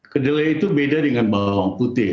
kedelai itu beda dengan bawang putih